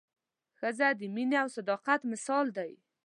ښځه د مینې او صداقت مثال ده.